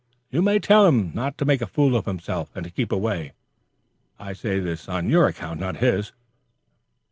You may tell him not to make a fool of himself, and to keep away. I say this on your account, not his.